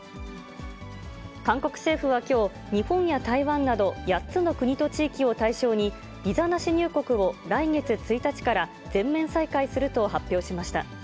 韓国政府はきょう、日本や台湾など８つの国と地域を対象に、ビザなし入国を来月１日から、全面再開すると発表しました。